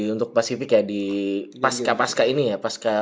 untuk pacific ya di pasca pasca ini ya pasca